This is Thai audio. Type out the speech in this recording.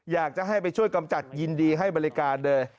อยากจะให้ไปช่วยกำจัดยินดีให้บริการเลย